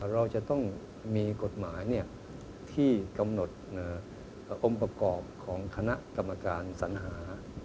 เราจะต้องมีกฎหมายที่กำหนดองค์ประกอบของคณะกรรมการสัญหา